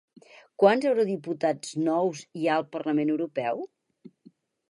Quants eurodiputats nous hi ha al Parlament Europeu?